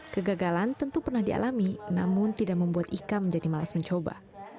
kegagalan tentu pernah dialami namun tidak membuat ika menjadi malas mencoba